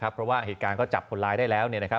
เพราะว่าเหตุการณ์ก็จับคนร้ายได้แล้วเนี่ยนะครับ